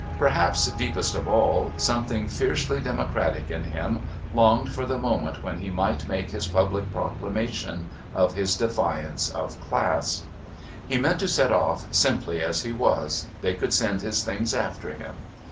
Perhaps, deepest of all, something fiercely democratic in him longed for the moment when he might make his public proclamation of his defiance of class. He meant to set off, simply as he was; they could send his things after him.